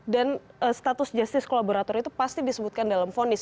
dan status justice kolaborator itu pasti disebutkan dalam vonis